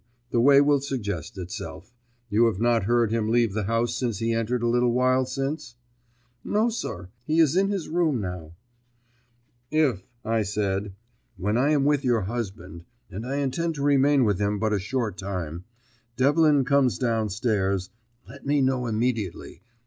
The way will suggest itself. You have not heard him leave the house since he entered a little while since?" "No, sir. He is in his room now." "If," I said, "when I am with your husband and I intend to remain with him but a short time Devlin comes down stairs, let me know immediately.